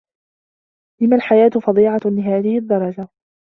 لم الحياة فظيعة لهذه الدّرجة؟